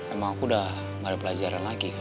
emang aku udah gak ada pelajaran lagi